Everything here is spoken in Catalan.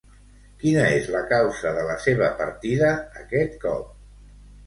Quina és la causa de la seva partida aquest cop?